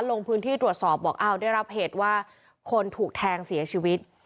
ลงพื้นที่ตรวจสอบบอกอ้าวได้รับเหตุว่าคนถูกแทงเสียชีวิต